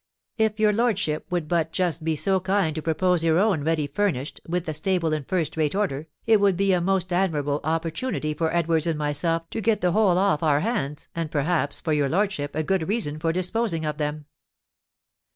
If your lordship would but just be so kind to propose your own ready furnished, with the stable in first rate order, it would be a most admirable opportunity for Edwards and myself to get the whole off our hands, and, perhaps, for your lordship a good reason for disposing of them."